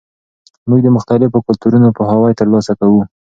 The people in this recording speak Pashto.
موږ د مختلفو کلتورونو پوهاوی ترلاسه کوو.